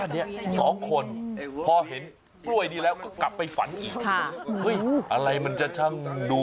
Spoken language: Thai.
เดี๋ยวไปปิดบ้าน